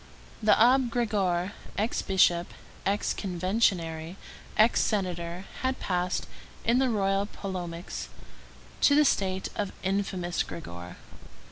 The Abbé Grégoire, ex bishop, ex conventionary, ex senator, had passed, in the royalist polemics, to the state of "Infamous Grégoire."